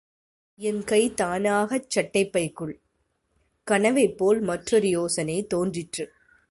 என் கை தானாகச் சட்டைப் பைக்குள்... கனவைப்போல மற்றொரு யோசனை தோன்றிற்று.